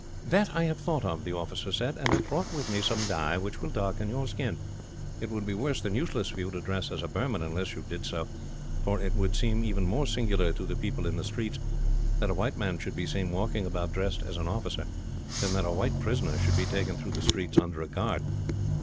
"That I have thought of," the officer said, "and have brought with me some dye which will darken your skin. It would be worse than useless for you to dress as a Burman, unless you did so; for it would seem even more singular, to the people in the streets, that a white man should be seen walking about dressed as an officer, than that a white prisoner should be taken through the streets under a guard.